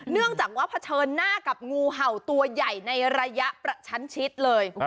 เนื่องจากว่าเผชิญหน้ากับงูเห่าตัวใหญ่ในระยะประชันชิดเลย